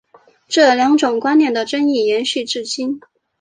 这两种观点的争议延续至今。